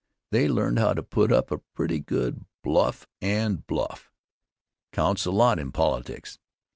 They learned how to put up a pretty good bluff and bluff Counts a lot in politics.